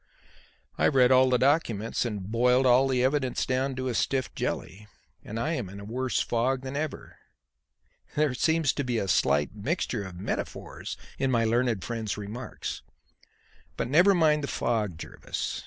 "I've read all the documents and boiled all the evidence down to a stiff jelly; and I am in a worse fog than ever." "There seems to be a slight mixture of metaphors in my learned friend's remarks. But never mind the fog, Jervis.